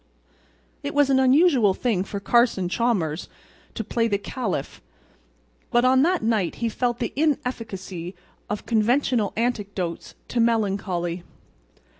It was an unusual thing for Carson Chalmers to play the Caliph. But on that night he felt the inefficacy of conventional antidotes to melancholy.